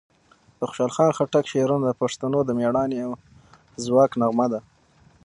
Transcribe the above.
د خوشحال خان خټک شعرونه د پښتنو د مېړانې او ځواک نغمه ده.